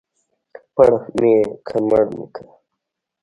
ـ پړ مى که مړ مى که.